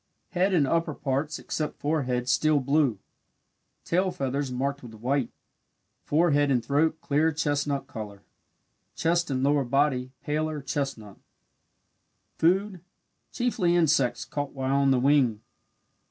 Head and upper parts except forehead steel blue tail feathers marked with white forehead and throat clear chestnut colour chest and lower body paler chestnut. Food chiefly insects caught while on the wing.